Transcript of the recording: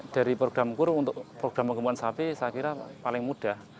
dari program kur untuk program penggembungan sapi saya kira paling mudah